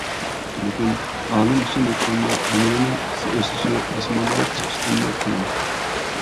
لېكىن ئالىم ئۈچۈن ئېيتقاندا ئەمىلىنىڭ ئۆسۈشى ئاسمانغا چىقىشتىنمۇ قىيىن.